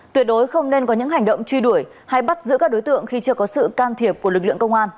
tuyệt đối không nên có những hành động truy đuổi hay bắt giữ các đối tượng khi chưa có sự can thiệp của lực lượng công an